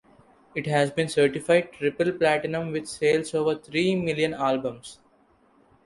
It has been certified triple platinum with sales over three million albums.